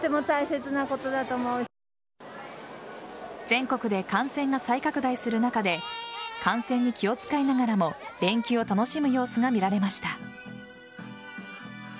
全国で感染が再拡大する中で感染に気を使いながらも連休を楽しむ様子が見られました。